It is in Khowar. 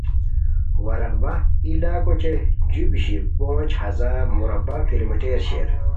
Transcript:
وا رقبہ ای لاکھ اوچے جو بیشیر پونج ہزار مربع کلومیٹر شیر۔